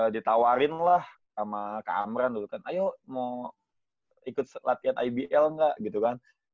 ditawarin lah sama kak amran dulu kan ayo mau ikut latihan ibl nggak gitu kan